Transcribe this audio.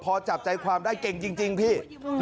พอจับใจความได้เก่งจริงพี่